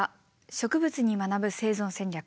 「植物に学ぶ生存戦略」。